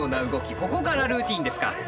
ここからルーティーンですか。